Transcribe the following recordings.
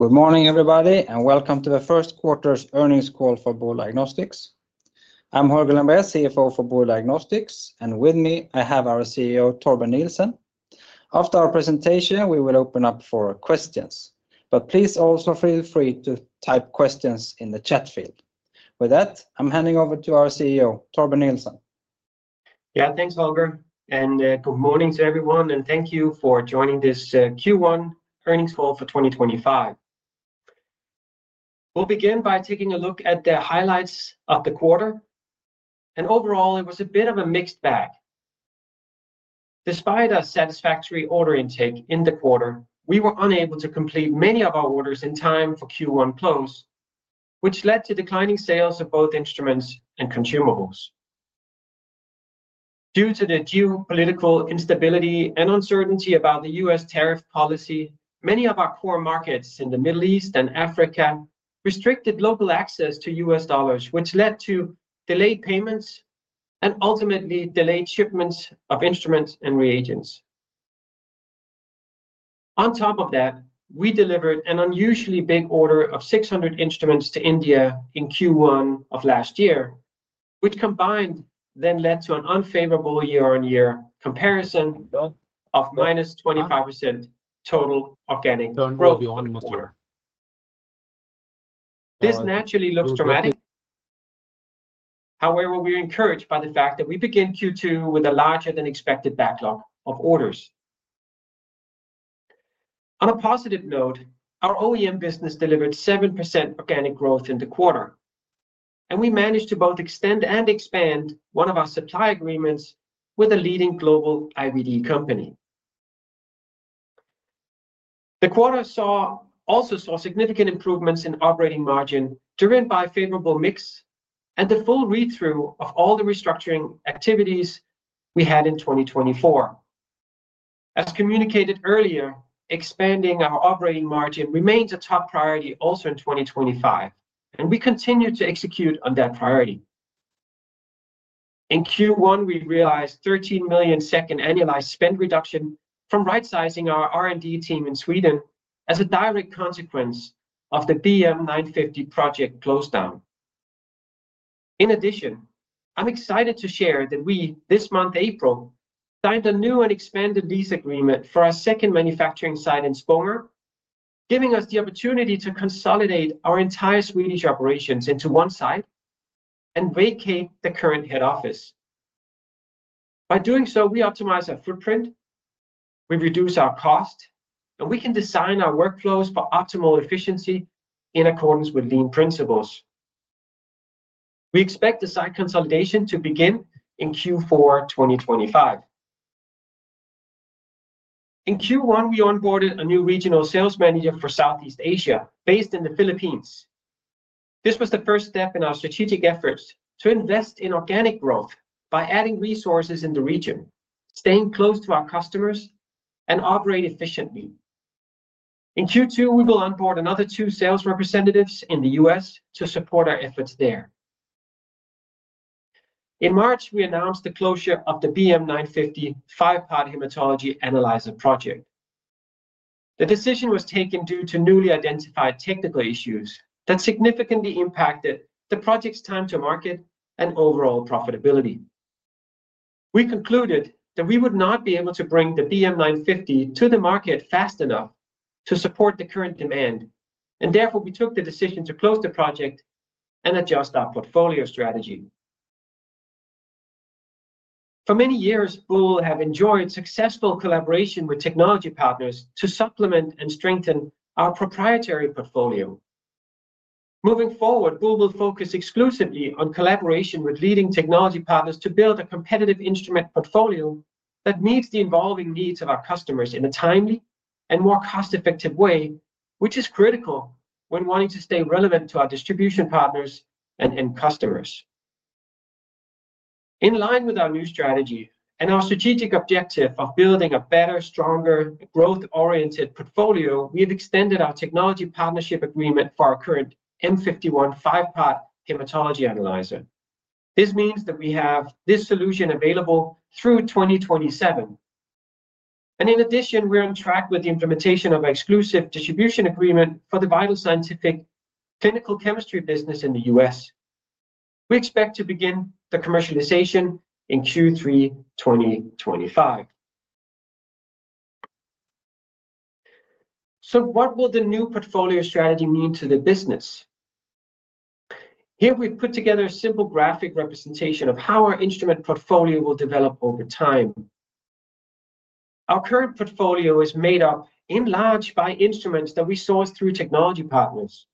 Good morning, everybody, and welcome to the first quarter's earnings call for Boule Diagnostics. I'm Holger Lembrér, CFO for Boule Diagnostics, and with me I have our CEO, Torben Nielsen. After our presentation, we will open up for questions, but please also feel free to type questions in the chat field. With that, I'm handing over to our CEO, Torben Nielsen. Yeah, thanks, Holger, and good morning to everyone, and thank you for joining this Q1 earnings call for 2025. We'll begin by taking a look at the highlights of the quarter, and overall, it was a bit of a mixed bag. Despite a satisfactory order intake in the quarter, we were unable to complete many of our orders in time for Q1 close, which led to declining sales of both instruments and consumables. Due to the geopolitical instability and uncertainty about the U.S. tariff policy, many of our core markets in the Middle East and Africa restricted local access to U.S. dollars, which led to delayed payments and ultimately delayed shipments of instruments and reagents. On top of that, we delivered an unusually big order of 600 instruments to India in Q1 of last year, which combined then led to an unfavorable year-on-year comparison of minus 25% total organic growth. This naturally looks dramatic. However, we're encouraged by the fact that we begin Q2 with a larger than expected backlog of orders. On a positive note, our OEM business delivered 7% organic growth in the quarter, and we managed to both extend and expand one of our supply agreements with a leading global IVD company. The quarter also saw significant improvements in operating margin driven by a favorable mix and the full read-through of all the restructuring activities we had in 2024. As communicated earlier, expanding our operating margin remains a top priority also in 2025, and we continue to execute on that priority. In Q1, we realized 13 million annualized spend reduction from right-sizing our R D team in Sweden as a direct consequence of the BM950 project close down. In addition, I'm excited to share that we this month, April, signed a new and expanded lease agreement for our second manufacturing site in Spånga, giving us the opportunity to consolidate our entire Swedish operations into one site and vacate the current head office. By doing so, we optimize our footprint, we reduce our cost, and we can design our workflows for optimal efficiency in accordance with Lean principles. We expect the site consolidation to begin in Q4 2025. In Q1, we onboarded a new regional sales manager for Southeast Asia based in the Philippines. This was the first step in our strategic efforts to invest in organic growth by adding resources in the region, staying close to our customers, and operating efficiently. In Q2, we will onboard another two sales representatives in the US to support our efforts there. In March, we announced the closure of the BM950 five-part hematology analyzer project. The decision was taken due to newly identified technical issues that significantly impacted the project's time to market and overall profitability. We concluded that we would not be able to bring the BM950 to the market fast enough to support the current demand, and therefore we took the decision to close the project and adjust our portfolio strategy. For many years, Boule has enjoyed successful collaboration with technology partners to supplement and strengthen our proprietary portfolio. Moving forward, Boule will focus exclusively on collaboration with leading technology partners to build a competitive instrument portfolio that meets the evolving needs of our customers in a timely and more cost-effective way, which is critical when wanting to stay relevant to our distribution partners and end customers. In line with our new strategy and our strategic objective of building a better, stronger, growth-oriented portfolio, we have extended our technology partnership agreement for our current M51 five-part hematology analyzer. This means that we have this solution available through 2027. In addition, we're on track with the implementation of an exclusive distribution agreement for the Vital Scientific clinical chemistry business in the US. We expect to begin the commercialization in Q3 2025. What will the new portfolio strategy mean to the business? Here we've put together a simple graphic representation of how our instrument portfolio will develop over time. Our current portfolio is made up in large by instruments that we source through technology partners,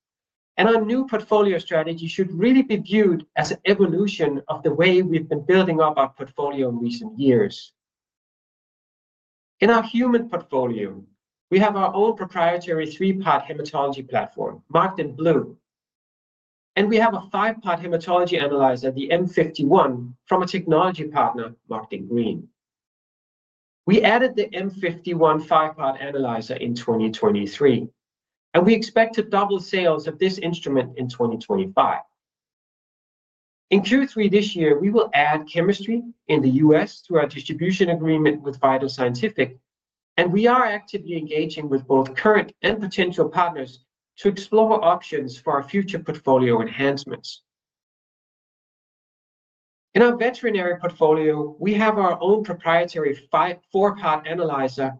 and our new portfolio strategy should really be viewed as an evolution of the way we've been building up our portfolio in recent years. In our human portfolio, we have our own proprietary three-part hematology platform marked in blue, and we have a five-part hematology analyzer, the M51, from a technology partner marked in green. We added the M51 five-part analyzer in 2023, and we expect to double sales of this instrument in 2025. In Q3 this year, we will add chemistry in the US through our distribution agreement with Vital Scientific, and we are actively engaging with both current and potential partners to explore options for our future portfolio enhancements. In our veterinary portfolio, we have our own proprietary four-part analyzer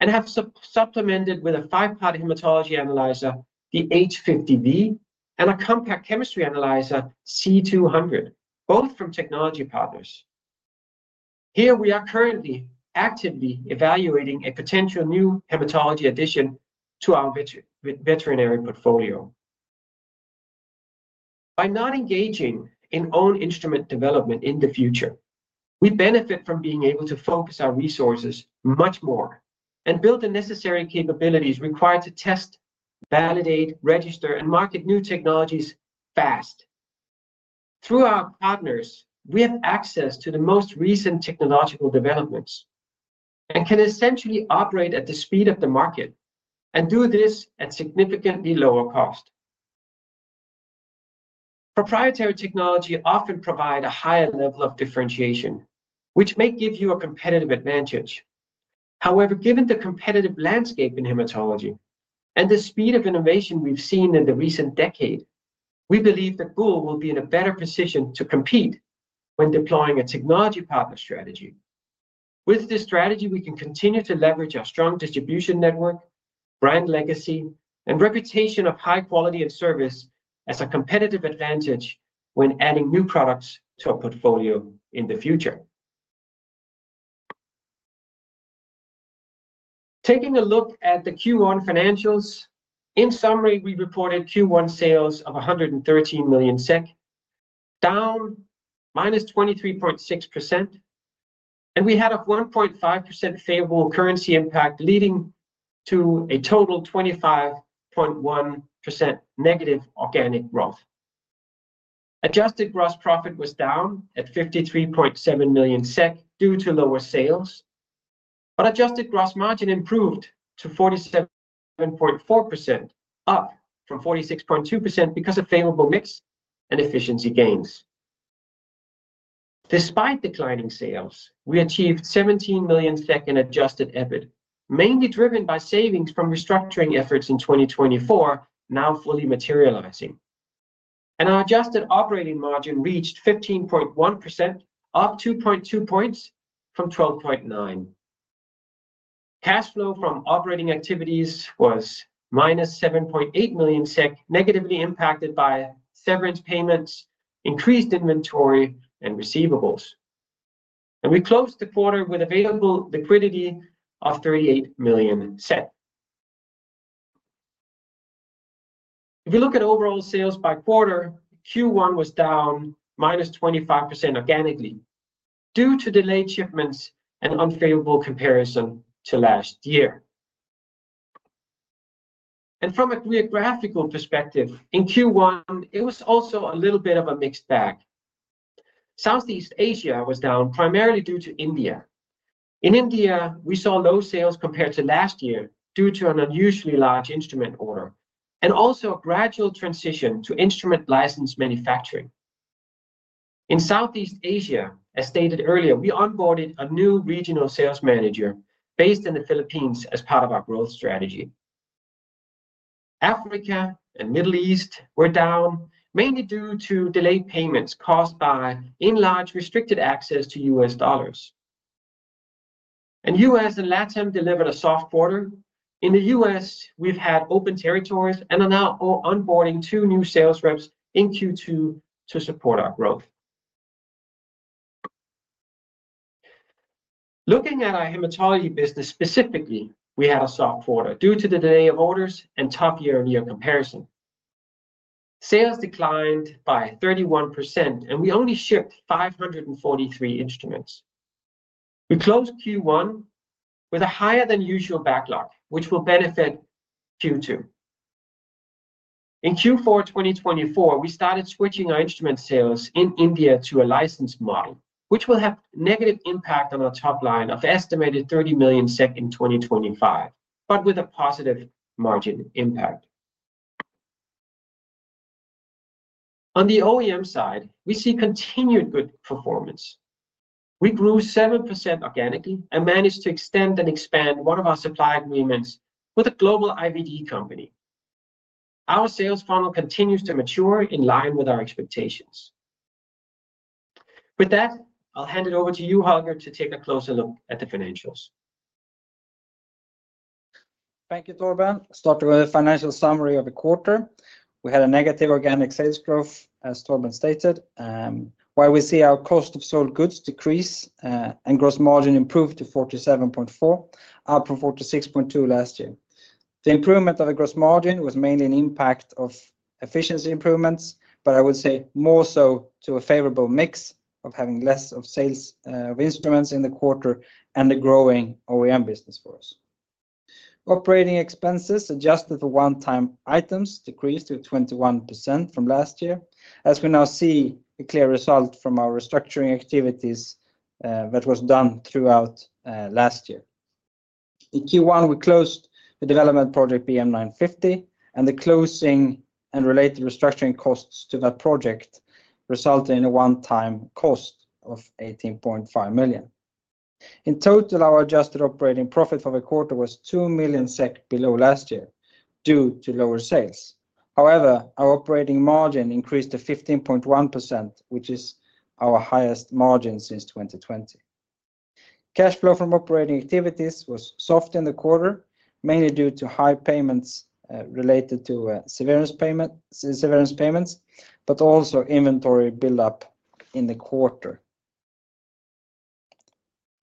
and have supplemented with a five-part hematology analyzer, the H50V, and a compact chemistry analyzer, C200, both from technology partners. Here we are currently actively evaluating a potential new hematology addition to our veterinary portfolio. By not engaging in own instrument development in the future, we benefit from being able to focus our resources much more and build the necessary capabilities required to test, validate, register, and market new technologies fast. Through our partners, we have access to the most recent technological developments and can essentially operate at the speed of the market and do this at significantly lower cost. Proprietary technology often provides a higher level of differentiation, which may give you a competitive advantage. However, given the competitive landscape in hematology and the speed of innovation we've seen in the recent decade, we believe that Boule will be in a better position to compete when deploying a technology partner strategy. With this strategy, we can continue to leverage our strong distribution network, brand legacy, and reputation of high quality and service as a competitive advantage when adding new products to our portfolio in the future. Taking a look at the Q1 financials, in summary, we reported Q1 sales of 113 million SEK, down -23.6%, and we had a 1.5% favorable currency impact leading to a total -25.1% organic growth. Adjusted gross profit was down at 53.7 million SEK due to lower sales, but adjusted gross margin improved to 47.4%, up from 46.2% because of favorable mix and efficiency gains. Despite declining sales, we achieved 17 million in adjusted EBIT, mainly driven by savings from restructuring efforts in 2024, now fully materializing. Our adjusted operating margin reached 15.1%, up 2.2 percentage points from 12.9%. Cash flow from operating activities was minus 7.8 million, negatively impacted by severance payments, increased inventory, and receivables. We closed the quarter with available liquidity of SEK 38 million. If we look at overall sales by quarter, Q1 was down minus 25% organically due to delayed shipments and unfavorable comparison to last year. From a geographical perspective, in Q1, it was also a little bit of a mixed bag. Southeast Asia was down primarily due to India. In India, we saw low sales compared to last year due to an unusually large instrument order and also a gradual transition to instrument license manufacturing. In Southeast Asia, as stated earlier, we onboarded a new regional sales manager based in the Philippines as part of our growth strategy. Africa and the Middle East were down mainly due to delayed payments caused by in large restricted access to US dollars. US and LATAM delivered a soft quarter. In the US, we've had open territories and are now onboarding two new sales reps in Q2 to support our growth. Looking at our hematology business specifically, we had a soft quarter due to the delay of orders and tough year-on-year comparison. Sales declined by 31%, and we only shipped 543 instruments. We closed Q1 with a higher than usual backlog, which will benefit Q2. In Q4 2024, we started switching our instrument sales in India to a licensed model, which will have a negative impact on our top line of estimated 30 million SEK in 2025, but with a positive margin impact. On the OEM side, we see continued good performance. We grew 7% organically and managed to extend and expand one of our supply agreements with a global IVD company. Our sales funnel continues to mature in line with our expectations. With that, I'll hand it over to you, Holger, to take a closer look at the financials. Thank you, Torben. Let's start with a financial summary of the quarter. We had a negative organic sales growth, as Torben stated, where we see our cost of sold goods decrease and gross margin improved to 47.4%, up from 46.2% last year. The improvement of the gross margin was mainly an impact of efficiency improvements, but I would say more so to a favorable mix of having less of sales of instruments in the quarter and the growing OEM business for us. Operating expenses adjusted for one-time items decreased to 21% from last year, as we now see a clear result from our restructuring activities that was done throughout last year. In Q1, we closed the development project BM950 and the closing and related restructuring costs to that project resulted in a one-time cost of 18.5 million. In total, our adjusted operating profit for the quarter was 2 million SEK below last year due to lower sales. However, our operating margin increased to 15.1%, which is our highest margin since 2020. Cash flow from operating activities was soft in the quarter, mainly due to high payments related to severance payments, but also inventory build-up in the quarter.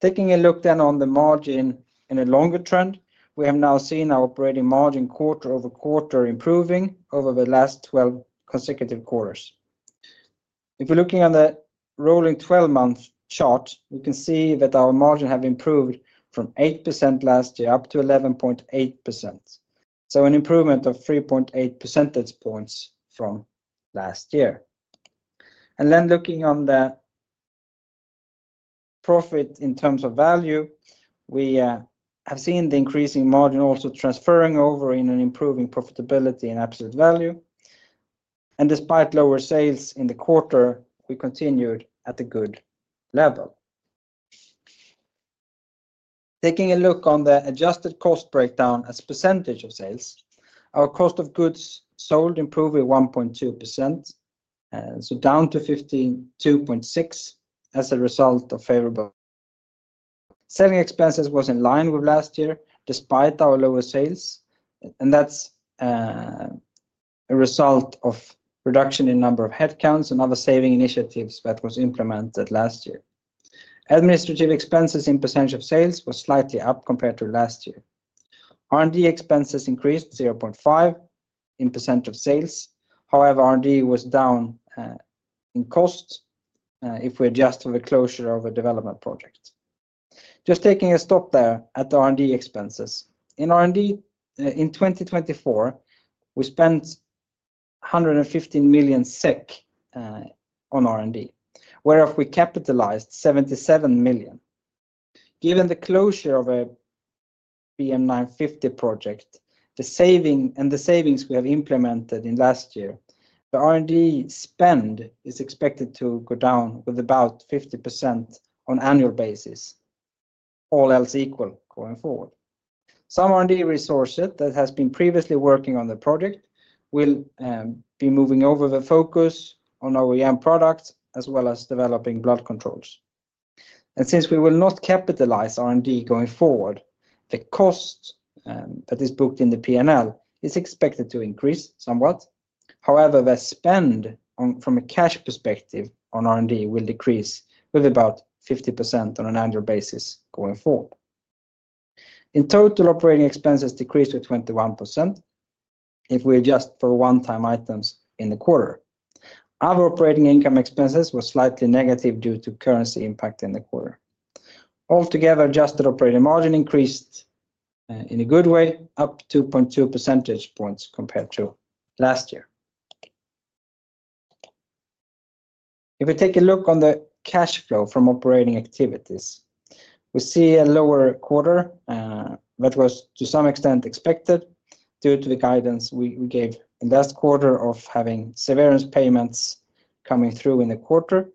Taking a look then on the margin in a longer trend, we have now seen our operating margin quarter over quarter improving over the last 12 consecutive quarters. If we're looking on the rolling 12-month chart, we can see that our margin has improved from 8% last year up to 11.8%, so an improvement of 3.8 percentage points from last year. Looking on the profit in terms of value, we have seen the increasing margin also transferring over in an improving profitability and absolute value. Despite lower sales in the quarter, we continued at a good level. Taking a look on the adjusted cost breakdown as percentage of sales, our cost of goods sold improved with 1.2%, so down to 15.2% as a result of favorable. Selling expenses was in line with last year despite our lower sales, and that's a result of reduction in number of headcounts and other saving initiatives that were implemented last year. Administrative expenses in percentage of sales were slightly up compared to last year. R&D expenses increased 0.5% in percent of sales. However, R&D was down in costs if we adjust for the closure of a development project. Just taking a stop there at the R&D expenses. In R&D in 2024, we spent 115 million SEK on R&D, whereof we capitalized 77 million. Given the closure of a BM950 project and the savings we have implemented in last year, the R&D spend is expected to go down with about 50% on an annual basis, all else equal going forward. Some R&D resources that have been previously working on the project will be moving over the focus on OEM products as well as developing blood controls. Since we will not capitalize R&D going forward, the cost that is booked in the P&L is expected to increase somewhat. However, the spend from a cash perspective on R&D will decrease with about 50% on an annual basis going forward. In total, operating expenses decreased with 21% if we adjust for one-time items in the quarter. Our operating income expenses were slightly negative due to currency impact in the quarter. Altogether, adjusted operating margin increased in a good way, up 2.2 percentage points compared to last year. If we take a look on the cash flow from operating activities, we see a lower quarter that was to some extent expected due to the guidance we gave in the last quarter of having severance payments coming through in the quarter.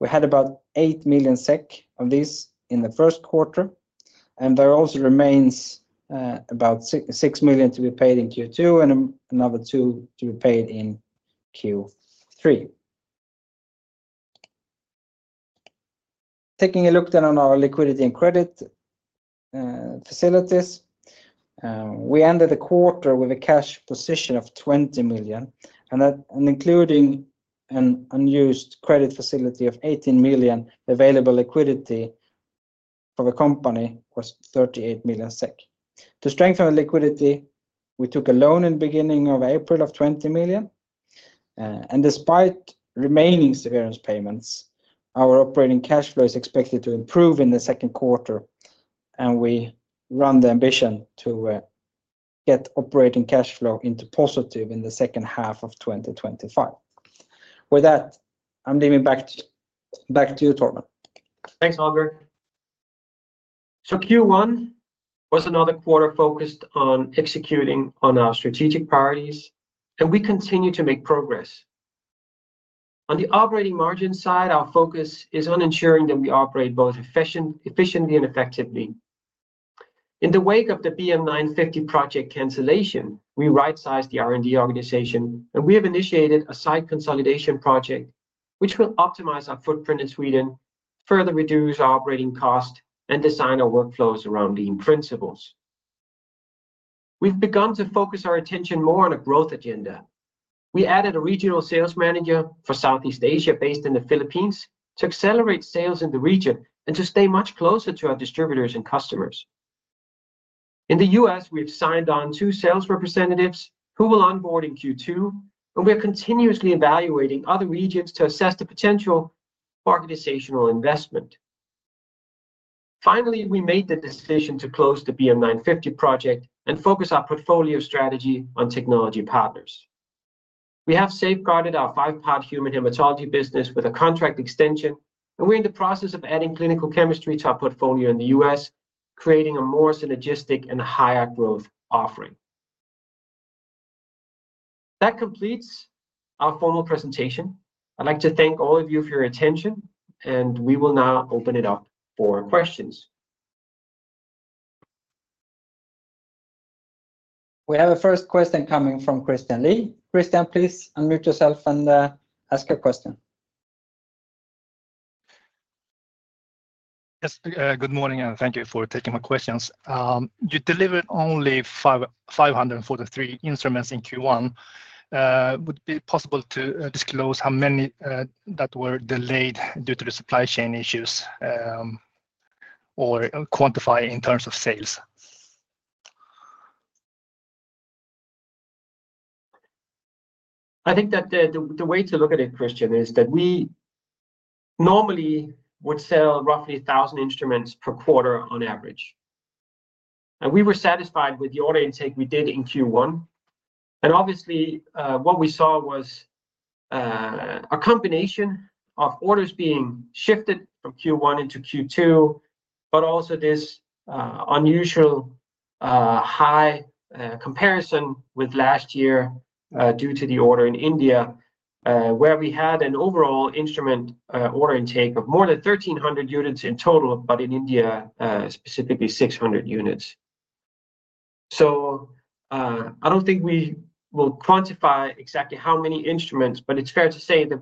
We had about 8 million SEK of these in the first quarter, and there also remains about 6 million to be paid in Q2 and another 2 million to be paid in Q3. Taking a look then on our liquidity and credit facilities, we ended the quarter with a cash position of 20 million, and including an unused credit facility of 18 million, available liquidity for the company was 38 million SEK. To strengthen the liquidity, we took a loan in the beginning of April of 20 million. Despite remaining severance payments, our operating cash flow is expected to improve in the second quarter, and we run the ambition to get operating cash flow into positive in the second half of 2025. With that, I am leaving back to you, Torben. Thanks, Holger. Q1 was another quarter focused on executing on our strategic priorities, and we continue to make progress. On the operating margin side, our focus is on ensuring that we operate both efficiently and effectively. In the wake of the BM950 project cancellation, we right-sized the R&D organization, and we have initiated a site consolidation project, which will optimize our footprint in Sweden, further reduce our operating cost, and design our workflows around Lean principles. We have begun to focus our attention more on a growth agenda. We added a regional sales manager for Southeast Asia based in the Philippines to accelerate sales in the region and to stay much closer to our distributors and customers. In the US, we have signed on two sales representatives who will onboard in Q2, and we are continuously evaluating other regions to assess the potential for organizational investment. Finally, we made the decision to close the BM950 project and focus our portfolio strategy on technology partners. We have safeguarded our five-part human hematology business with a contract extension, and we're in the process of adding clinical chemistry to our portfolio in the US, creating a more synergistic and higher growth offering. That completes our formal presentation. I'd like to thank all of you for your attention, and we will now open it up for questions. We have a first question coming from Christian Lee. Christian, please unmute yourself and ask your question. Yes, good morning, and thank you for taking my questions. You delivered only 543 instruments in Q1. Would it be possible to disclose how many that were delayed due to the supply chain issues or quantify in terms of sales? I think that the way to look at it, Christian, is that we normally would sell roughly 1,000 instruments per quarter on average. We were satisfied with the order intake we did in Q1. Obviously, what we saw was a combination of orders being shifted from Q1 into Q2, but also this unusual high comparison with last year due to the order in India, where we had an overall instrument order intake of more than 1,300 units in total, but in India, specifically 600 units. I do not think we will quantify exactly how many instruments, but it is fair to say that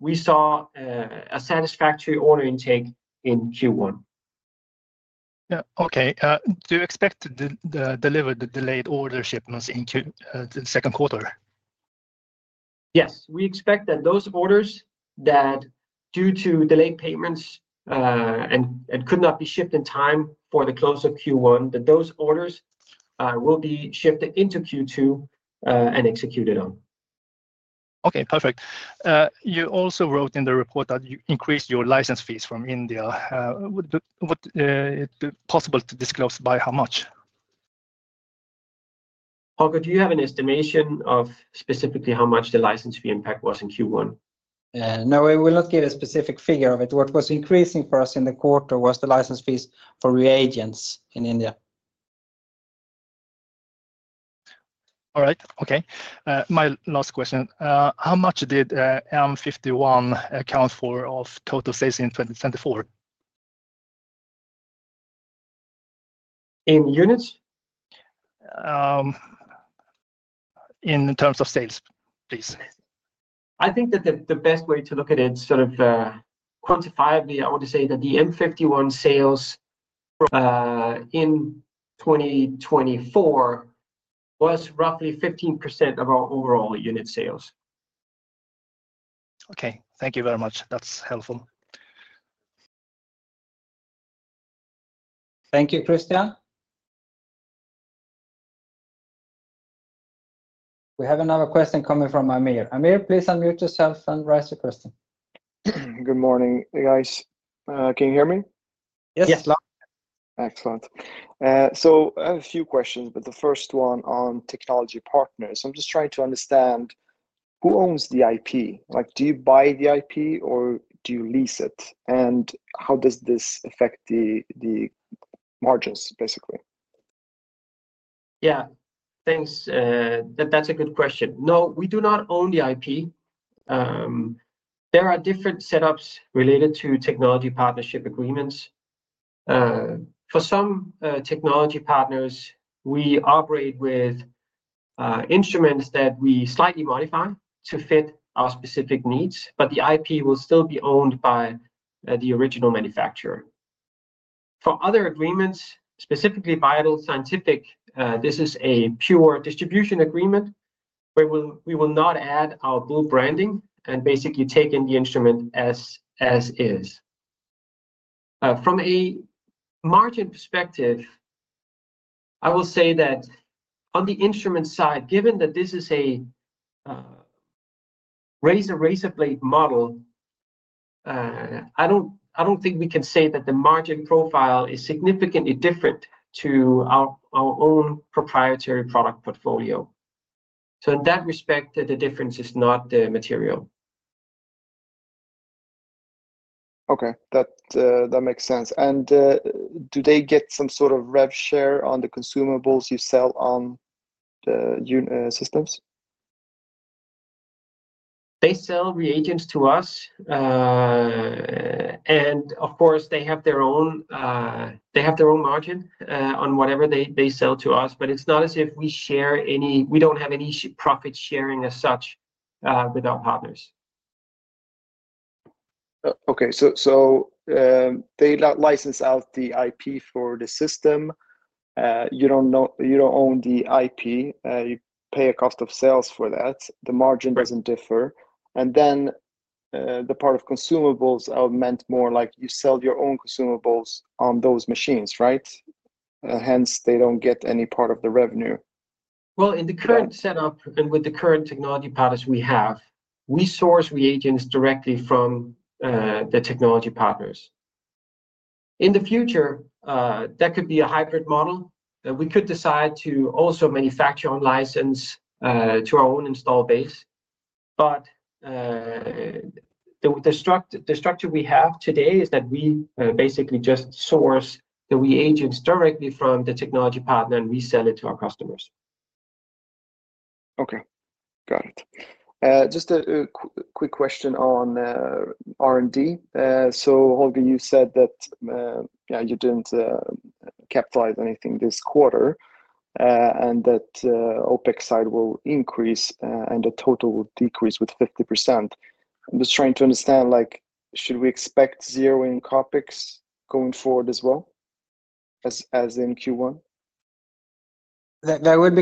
we saw a satisfactory order intake in Q1. Yeah, okay. Do you expect to deliver the delayed order shipments in Q2? Yes, we expect that those orders that, due to delayed payments and could not be shipped in time for the close of Q1, that those orders will be shifted into Q2 and executed on. Okay, perfect. You also wrote in the report that you increased your license fees from India. Would it be possible to disclose by how much? Holger, do you have an estimation of specifically how much the license fee impact was in Q1? No, we will not give a specific figure of it. What was increasing for us in the quarter was the license fees for reagents in India. All right, okay. My last question. How much did M51 account for of total sales in 2024? In units? In terms of sales, please. I think that the best way to look at it sort of quantifiably, I would say that the M51 sales in 2024 was roughly 15% of our overall unit sales. Okay, thank you very much. That's helpful. Thank you, Christian. We have another question coming from Amir. Amir, please unmute yourself and raise your question. Good morning, guys. Can you hear me? Yes, loud. Excellent. I have a few questions, but the first one on technology partners. I'm just trying to understand who owns the IP? Do you buy the IP or do you lease it? How does this affect the margins, basically? Yeah, thanks. That's a good question. No, we do not own the IP. There are different setups related to technology partnership agreements. For some technology partners, we operate with instruments that we slightly modify to fit our specific needs, but the IP will still be owned by the original manufacturer. For other agreements, specifically Vital Scientific, this is a pure distribution agreement where we will not add our blue branding and basically take in the instrument as is. From a margin perspective, I will say that on the instrument side, given that this is a razor and blade model, I don't think we can say that the margin profile is significantly different to our own proprietary product portfolio. In that respect, the difference is not material. Okay, that makes sense. Do they get some sort of rev share on the consumables you sell on the systems? They sell reagents to us. Of course, they have their own margin on whatever they sell to us, but it's not as if we share any—we don't have any profit sharing as such with our partners. Okay, so they license out the IP for the system. You don't own the IP. You pay a cost of sales for that. The margin doesn't differ. And then the part of consumables augment more like you sell your own consumables on those machines, right? Hence, they don't get any part of the revenue. In the current setup and with the current technology partners we have, we source reagents directly from the technology partners. In the future, that could be a hybrid model. We could decide to also manufacture on license to our own install base. The structure we have today is that we basically just source the reagents directly from the technology partner and we sell it to our customers. Okay, got it. Just a quick question on R&D. Holger, you said that you did not capitalize anything this quarter and that OpEx side will increase and the total will decrease with 50%. I am just trying to understand, should we expect zeroing CapEx going forward as well as in Q1? That would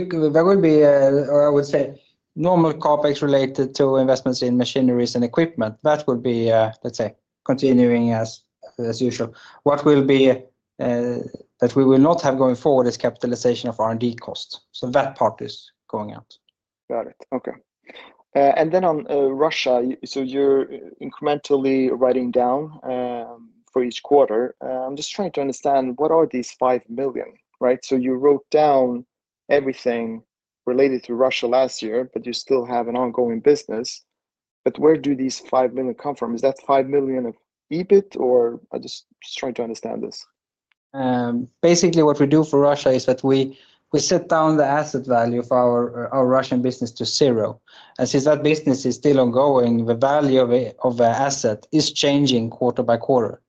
be—or I would say normal CapEx related to investments in machineries and equipment. That would be, let's say, continuing as usual. What will be that we will not have going forward is capitalization of R&D costs. So that part is going out. Got it. Okay. And then on Russia, you are incrementally writing down for each quarter. I am just trying to understand what are these 5 million, right? You wrote down everything related to Russia last year, but you still have an ongoing business. Where do these 5 million come from? Is that 5 million of EBIT, or I'm just trying to understand this? Basically, what we do for Russia is that we set down the asset value of our Russian business to zero. Since that business is still ongoing, the value of the asset is changing quarter by quarter.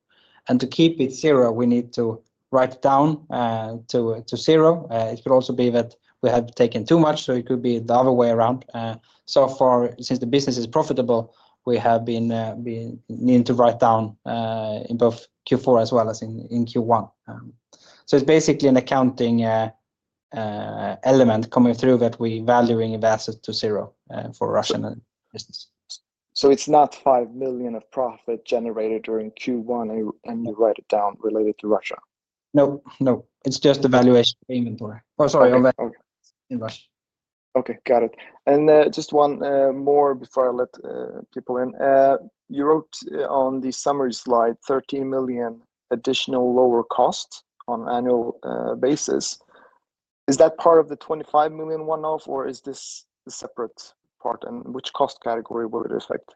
To keep it zero, we need to write down to zero. It could also be that we had taken too much, so it could be the other way around. So far, since the business is profitable, we have been needing to write down in both Q4 as well as in Q1. It's basically an accounting element coming through that we value invested to zero for Russian business. It is not $5 million of profit generated during Q1 and you write it down related to Russia? No, no. It is just the valuation payment. Oh, sorry. In Russia. Okay, got it. Just one more before I let people in. You wrote on the summary slide, 13 million additional lower cost on annual basis. Is that part of the 25 million one-off, or is this a separate part? Which cost category will it affect?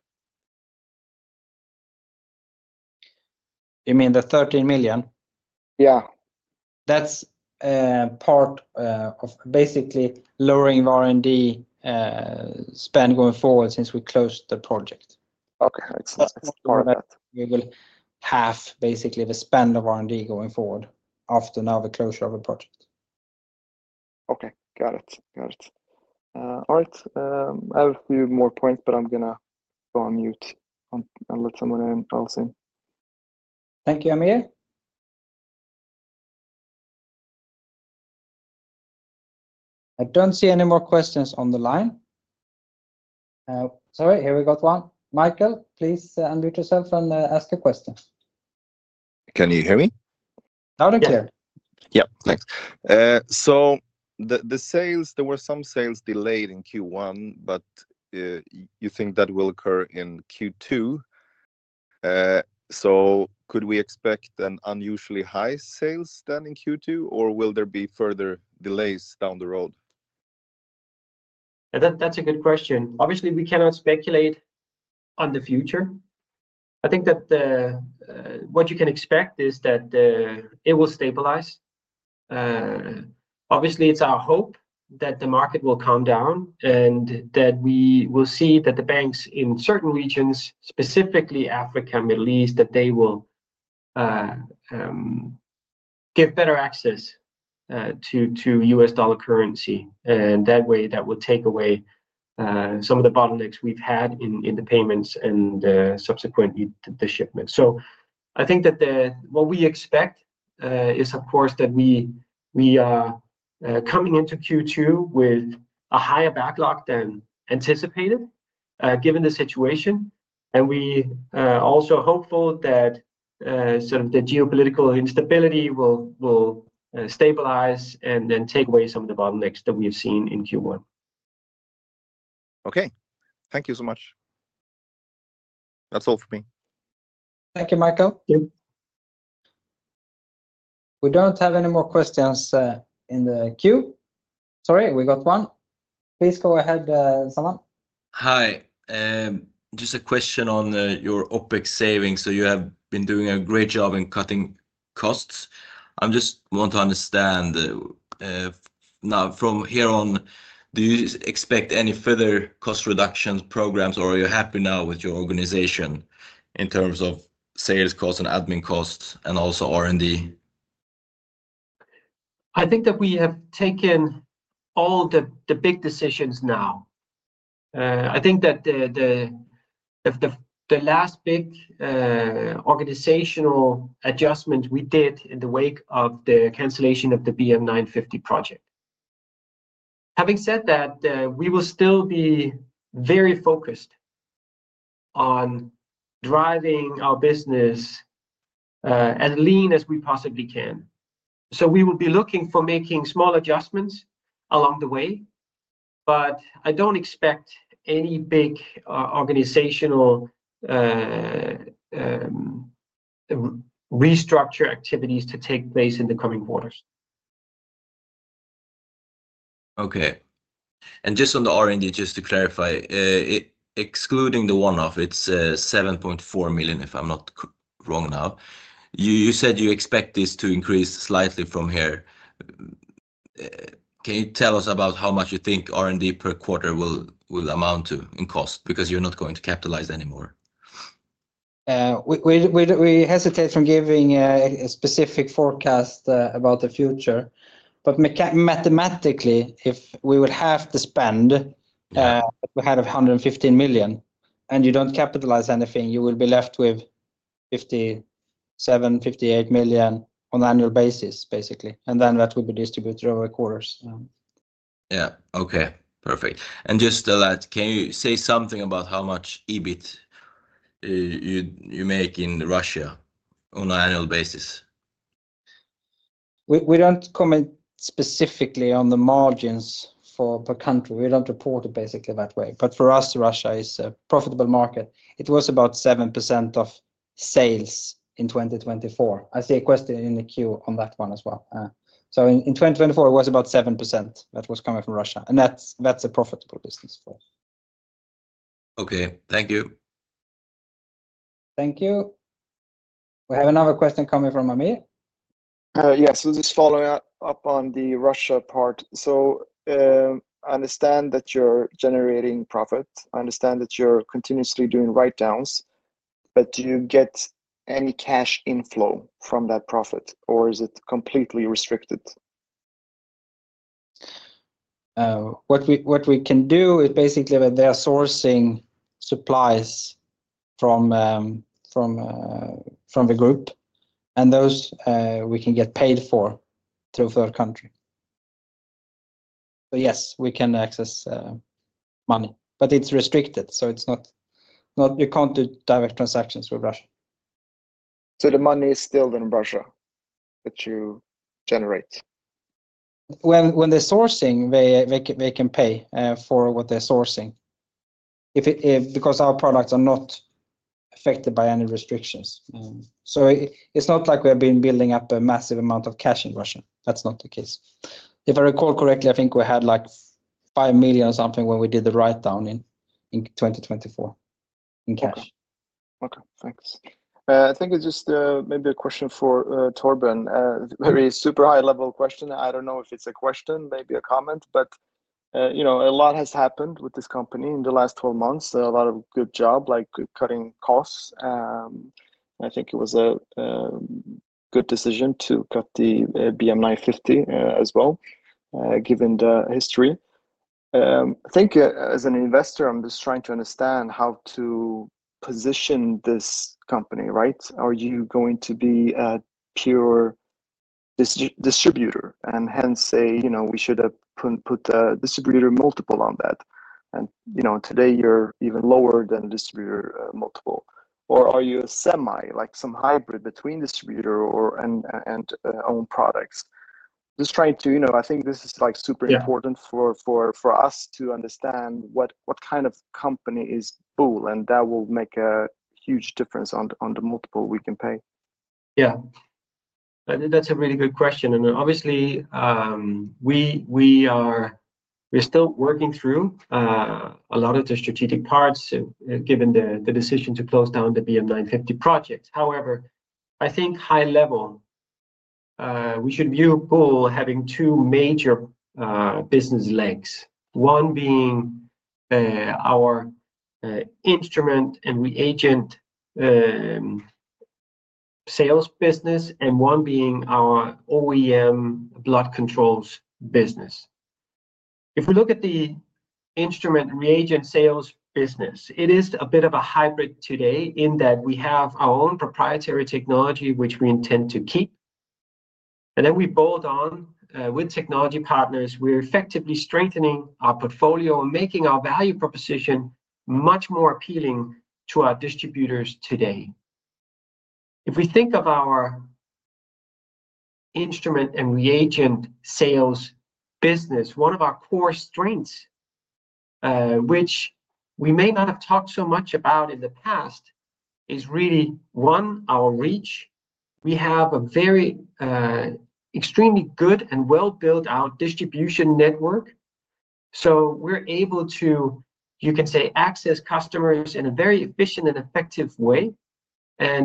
You mean the 13 million? Yeah. That is part of basically lowering R&D spend going forward since we closed the project. Okay, excellent. That is part of that. We will have basically the spend of R&D going forward after now the closure of the project. Okay, got it. Got it. All right. I have a few more points, but I am going to go on mute and let someone else in. Thank you, Amir. I don't see any more questions on the line. Sorry, here we got one. Michael, please unmute yourself and ask a question. Can you hear me? Loud and clear. Yeah, thanks. The sales, there were some sales delayed in Q1, but you think that will occur in Q2. Could we expect an unusually high sales then in Q2, or will there be further delays down the road? That's a good question. Obviously, we cannot speculate on the future. I think that what you can expect is that it will stabilize. Obviously, it's our hope that the market will calm down and that we will see that the banks in certain regions, specifically Africa, Middle East, that they will give better access to US dollar currency. That way, that will take away some of the bottlenecks we've had in the payments and subsequently the shipment. I think that what we expect is, of course, that we are coming into Q2 with a higher backlog than anticipated given the situation. We are also hopeful that sort of the geopolitical instability will stabilize and then take away some of the bottlenecks that we have seen in Q1. Okay, thank you so much. That's all for me. Thank you, Michael. We don't have any more questions in the queue. Sorry, we got one. Please go ahead, Saman. Hi, just a question on your OpEx savings. You have been doing a great job in cutting costs. I just want to understand now from here on, do you expect any further cost reduction programs or are you happy now with your organization in terms of sales costs and admin costs and also R&D? I think that we have taken all the big decisions now. I think that the last big organizational adjustment we did in the wake of the cancellation of the BM950 project. Having said that, we will still be very focused on driving our business as lean as we possibly can. We will be looking for making small adjustments along the way, but I do not expect any big organizational restructure activities to take place in the coming quarters. Okay. Just on the R&D, just to clarify, excluding the one-off, it is 7.4 million, if I am not wrong now. You said you expect this to increase slightly from here. Can you tell us about how much you think R&D per quarter will amount to in cost because you are not going to capitalize anymore? We hesitate from giving a specific forecast about the future, but mathematically, if we would have to spend, we had 115 million, and you do not capitalize anything, you will be left with 57-58 million on an annual basis, basically. That will be distributed over quarters. Yeah, okay. Perfect. Just to that, can you say something about how much EBIT you make in Russia on an annual basis? We do not comment specifically on the margins per country. We do not report it basically that way. For us, Russia is a profitable market. It was about 7% of sales in 2024. I see a question in the queue on that one as well. In 2024, it was about 7% that was coming from Russia. That is a profitable business for us. Okay, thank you. Thank you. We have another question coming from Amir. Yes, this is following up on the Russia part. I understand that you're generating profit. I understand that you're continuously doing write-downs, but do you get any cash inflow from that profit, or is it completely restricted? What we can do is basically that they are sourcing supplies from the group, and those we can get paid for through third country. Yes, we can access money, but it's restricted. You can't do direct transactions with Russia. The money is still in Russia that you generate? When they're sourcing, they can pay for what they're sourcing because our products are not affected by any restrictions. It's not like we have been building up a massive amount of cash in Russia. That's not the case. If I recall correctly, I think we had like 5 million or something when we did the write-down in 2024 in cash. Okay, thanks. I think it's just maybe a question for Torben. Very super high-level question. I don't know if it's a question, maybe a comment, but a lot has happened with this company in the last 12 months. A lot of good job, like cutting costs. I think it was a good decision to cut the BM950 as well, given the history. I think as an investor, I'm just trying to understand how to position this company, right? Are you going to be a pure distributor and hence say, "We should have put a distributor multiple on that"? And today, you're even lower than a distributor multiple. Or are you a semi, like some hybrid between distributor and own products? Just trying to, I think this is super important for us to understand what kind of company is Boule, and that will make a huge difference on the multiple we can pay. Yeah. That's a really good question. Obviously, we are still working through a lot of the strategic parts given the decision to close down the BM950 project. However, I think high-level, we should view Boule having two major business legs, one being our instrument and reagent sales business and one being our OEM blood controls business. If we look at the instrument reagent sales business, it is a bit of a hybrid today in that we have our own proprietary technology, which we intend to keep. We build on with technology partners. We are effectively strengthening our portfolio and making our value proposition much more appealing to our distributors today. If we think of our instrument and reagent sales business, one of our core strengths, which we may not have talked so much about in the past, is really one, our reach. We have a very extremely good and well-built out distribution network. We are able to, you can say, access customers in a very efficient and effective way.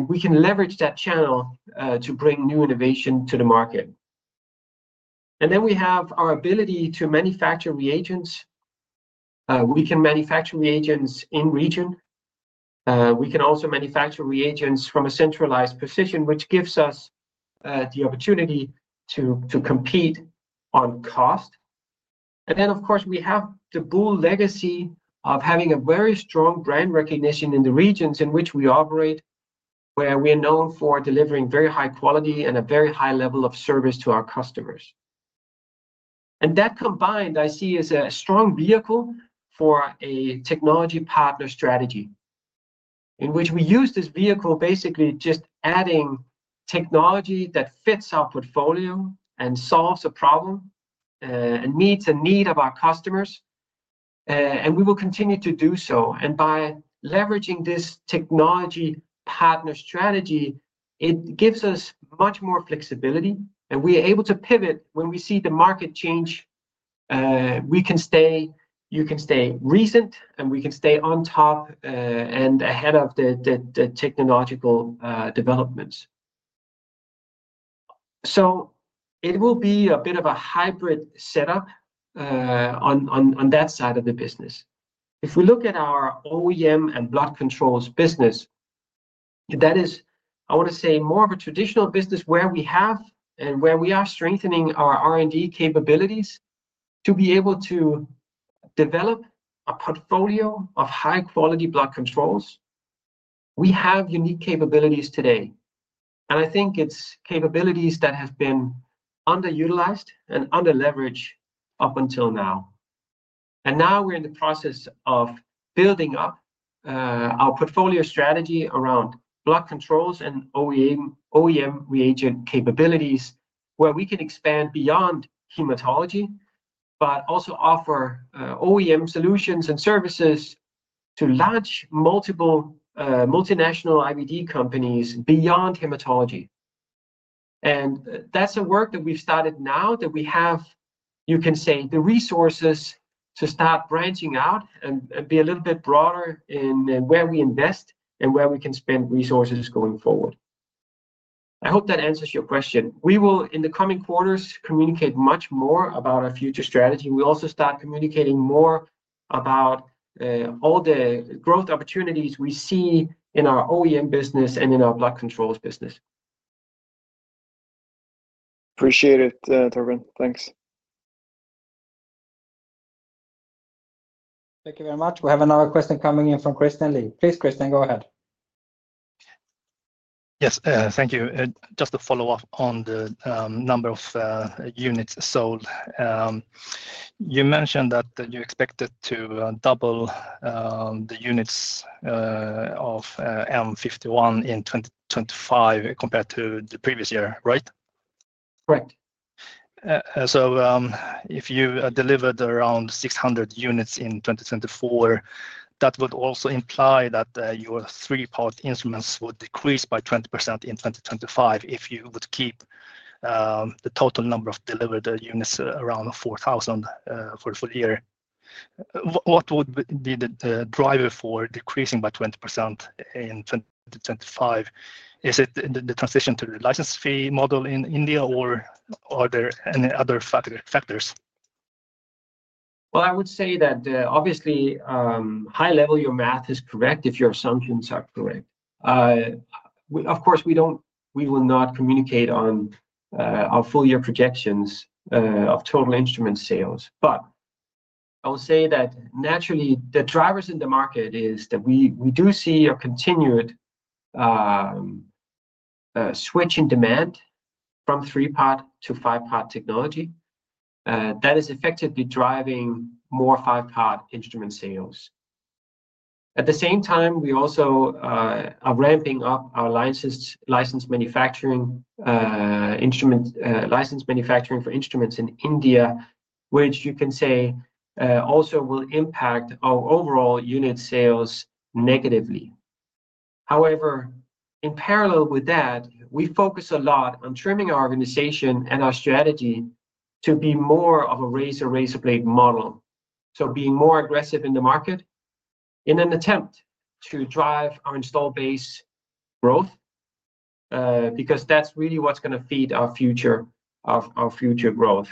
We can leverage that channel to bring new innovation to the market. We have our ability to manufacture reagents. We can manufacture reagents in region. We can also manufacture reagents from a centralized position, which gives us the opportunity to compete on cost. Of course, we have the Boule legacy of having a very strong brand recognition in the regions in which we operate, where we are known for delivering very high quality and a very high level of service to our customers. That combined, I see as a strong vehicle for a technology partner strategy in which we use this vehicle basically just adding technology that fits our portfolio and solves a problem and meets a need of our customers. We will continue to do so. By leveraging this technology partner strategy, it gives us much more flexibility. We are able to pivot when we see the market change. We can stay, you can stay recent, and we can stay on top and ahead of the technological developments. It will be a bit of a hybrid setup on that side of the business. If we look at our OEM and blood controls business, that is, I want to say, more of a traditional business where we have and where we are strengthening our R&D capabilities to be able to develop a portfolio of high-quality blood controls. We have unique capabilities today. I think it's capabilities that have been underutilized and underleveraged up until now. Now we're in the process of building up our portfolio strategy around blood controls and OEM reagent capabilities where we can expand beyond hematology, but also offer OEM solutions and services to large, multiple multinational IVD companies beyond hematology. That's a work that we've started now that we have, you can say, the resources to start branching out and be a little bit broader in where we invest and where we can spend resources going forward. I hope that answers your question. We will, in the coming quarters, communicate much more about our future strategy. We'll also start communicating more about all the growth opportunities we see in our OEM business and in our blood controls business. Appreciate it, Torben. Thanks. Thank you very much. We have another question coming in from Christian Lee. Please, Christian, go ahead. Yes, thank you. Just to follow up on the number of units sold, you mentioned that you expected to double the units of M51 in 2025 compared to the previous year, right? Correct. If you delivered around 600 units in 2024, that would also imply that your three-part instruments would decrease by 20% in 2025 if you would keep the total number of delivered units around 4,000 for the full year. What would be the driver for decreasing by 20% in 2025? Is it the transition to the license fee model in India, or are there any other factors? I would say that, obviously, high-level, your math is correct if your assumptions are correct. Of course, we will not communicate on our full-year projections of total instrument sales. I will say that, naturally, the drivers in the market is that we do see a continued switch in demand from three-part to five-part technology that is effectively driving more five-part instrument sales. At the same time, we also are ramping up our license manufacturing for instruments in India, which you can say also will impact our overall unit sales negatively. However, in parallel with that, we focus a lot on trimming our organization and our strategy to be more of a razor and blade model, so being more aggressive in the market in an attempt to drive our install base growth because that's really what's going to feed our future growth.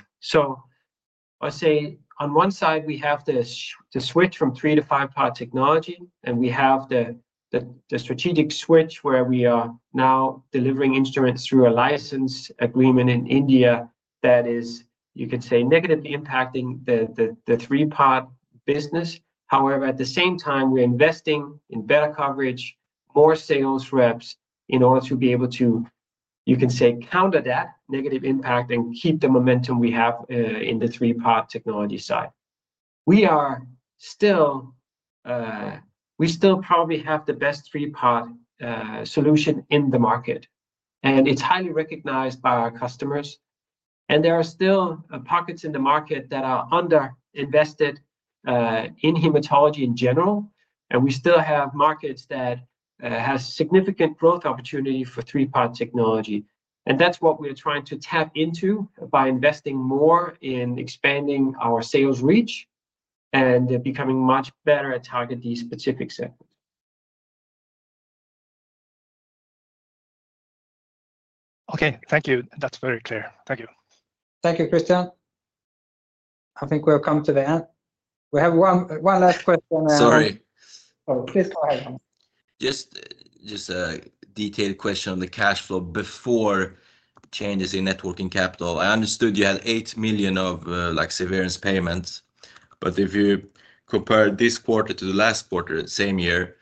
I say, on one side, we have the switch from three to five-part technology, and we have the strategic switch where we are now delivering instruments through a license agreement in India that is, you could say, negatively impacting the three-part business. However, at the same time, we're investing in better coverage, more sales reps in order to be able to, you can say, counter that negative impact and keep the momentum we have in the three-part technology side. We still probably have the best three-part solution in the market, and it's highly recognized by our customers. There are still pockets in the market that are underinvested in hematology in general. We still have markets that have significant growth opportunity for three-part technology. That is what we are trying to tap into by investing more in expanding our sales reach and becoming much better at targeting these specific segments. Okay, thank you. That is very clear. Thank you. Thank you, Christian. I think we have come to the end. We have one last question. Sorry. Please go ahead. Just a detailed question on the cash flow before changes in net working capital. I understood you had 8 million of severance payments, but if you compare this quarter to the last quarter same year,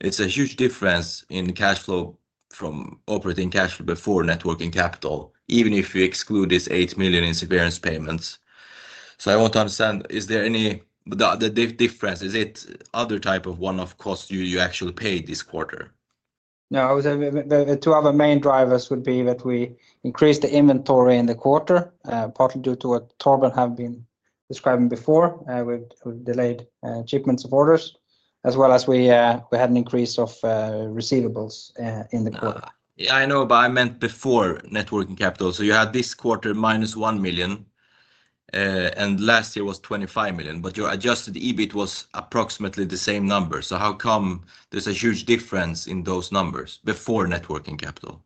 it is a huge difference in cash flow from operating cash flow before net working capital, even if you exclude this 8 million in severance payments. I want to understand, is there any difference? Is it other type of one-off costs you actually paid this quarter? No, I would say the two other main drivers would be that we increased the inventory in the quarter, partly due to what Torben had been describing before, with delayed shipments of orders, as well as we had an increase of receivables in the quarter. Yeah, I know, but I meant before networking capital. You had this quarter minus 1 million, and last year was 25 million, but your adjusted EBIT was approximately the same number. How come there's a huge difference in those numbers before networking capital?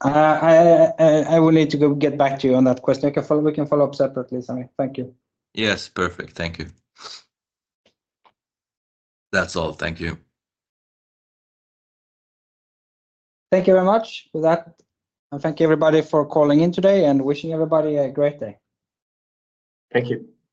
I will need to get back to you on that question. We can follow up separately, Saman. Thank you. Yes, perfect. Thank you. That's all. Thank you. Thank you very much for that. Thank you, everybody, for calling in today and wishing everybody a great day. Thank you.